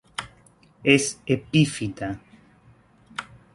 Es epífita.